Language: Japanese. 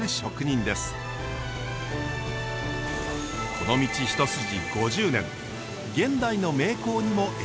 この道一筋５０年現代の名工にも選ばれています。